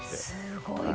すごい！